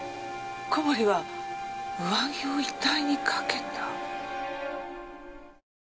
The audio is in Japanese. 小堀は上着を遺体にかけた。